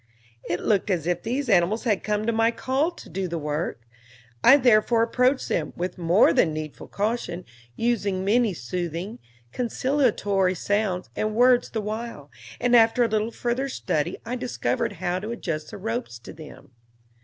It looked as if these animals had come at my call to do the work; I therefore approached them, with more than needful caution, using many soothing, conciliatory sounds and words the while, and after a little further study I discovered how to adjust the ropes to them.